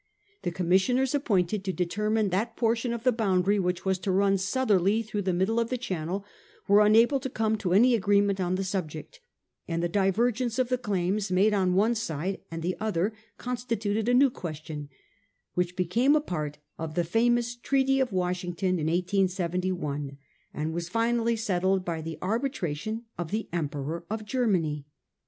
The commissioners appointed to determine that portion of the boundary which was to run southerly through the middle of the channel were unable to come to any agreement on the subject, and the divergence of the claims made on one side and the other constituted a new question, which became a part of the famous Treaty of Washing ton in 1871, and was finally settled by the arbitra tion of the Emperor of Germany.